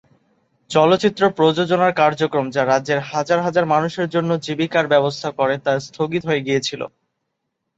চলচ্চিত্র প্রযোজনার কার্যক্রম, যা রাজ্যের হাজার হাজার মানুষের জন্য জীবিকার ব্যবস্থা করে, তা স্থগিত হয়ে গিয়েছিল।